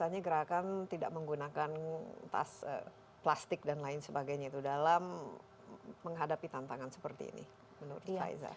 misalnya gerakan tidak menggunakan tas plastik dan lain sebagainya itu dalam menghadapi tantangan seperti ini menurut faiza